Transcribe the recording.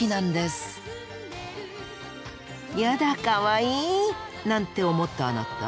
「やだかわいい」なんて思ったあなた。